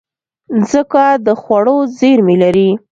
مځکه د خوړو زېرمې لري.